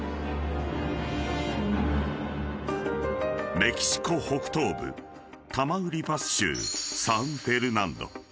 ［メキシコ北東部タマウリパス州サンフェルナンド］